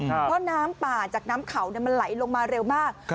เพราะน้ำป่าจากน้ำเขามันไหลลงมาเร็วมาก